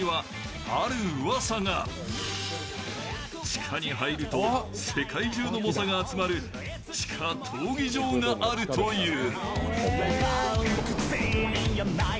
地下に入ると世界中の猛者が集まる地下闘技場があるという。